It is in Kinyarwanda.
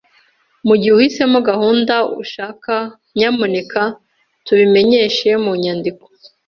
Mugihe uhisemo gahunda ushaka, nyamuneka tubimenyeshe mu nyandiko.